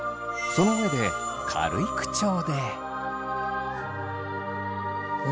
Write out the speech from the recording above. その上で軽い口調で。